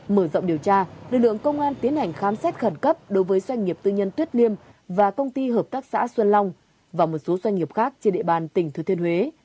mở rộng điều tra lực lượng công an tiến hành khám xét khẩn cấp đối với doanh nghiệp tư nhân tuyết liêm và công ty hợp tác xã xuân long và một số doanh nghiệp khác trên địa bàn tỉnh thừa thiên huế